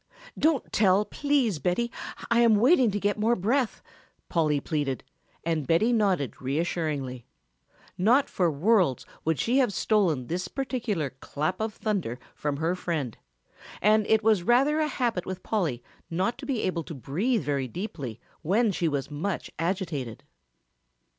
"Don't tell, please, Betty, I am waiting to get more breath," Polly pleaded, and Betty nodded reassuringly. Not for worlds would she have stolen this particular clap of thunder from her friend, and it was rather a habit with Polly not to be able to breathe very deeply when she was much agitated.